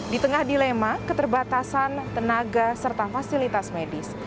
di tengah dilema keterbatasan tenaga serta fasilitas medis